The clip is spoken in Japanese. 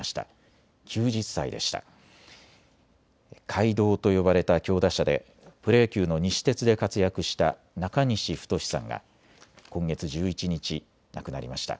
怪童と呼ばれた強打者でプロ野球の西鉄で活躍した中西太さんが今月１１日、亡くなりました。